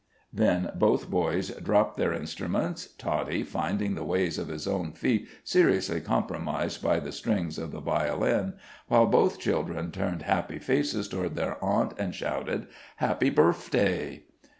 Then both boys dropped their instruments, Toddie finding the ways of his own feet seriously compromised by the strings of the violin, while both children turned happy faces toward their aunt, and shouted: "Happy Burfday!"